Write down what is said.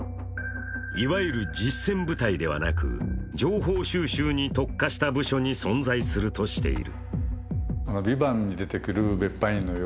いわゆる実戦部隊ではなく情報収集に特化した部署に存在するとしている。